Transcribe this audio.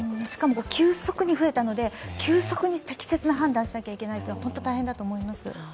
しかも急速に増えたので急速に適切な判断をしなければならないのは本当に大変だと思います。